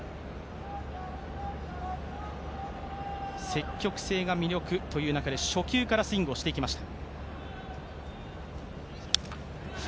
積極性が魅力という中で、初球からスイングをしていきました。